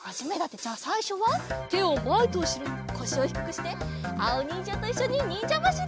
じゃあさいしょはてをまえとうしろにこしをひくくしてあおにんじゃといっしょににんじゃばしり！